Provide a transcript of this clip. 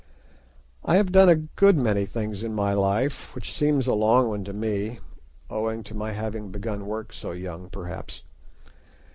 I have done a good many things in my life, which seems a long one to me, owing to my having begun work so young, perhaps.